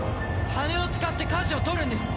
羽を使ってかじを取るんです。